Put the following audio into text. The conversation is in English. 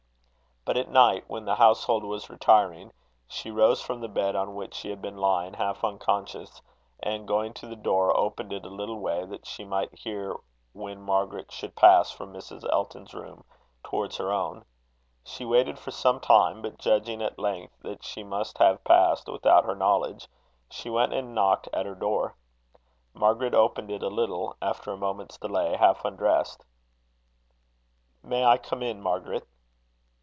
But at night, when the household was retiring, she rose from the bed on which she had been lying half unconscious, and going to the door, opened it a little way, that she might hear when Margaret should pass from Mrs. Elton's room towards her own. She waited for some time; but judging, at length, that she must have passed without her knowledge, she went and knocked at her door. Margaret opened it a little, after a moment's delay, half undressed. "May I come in, Margaret?"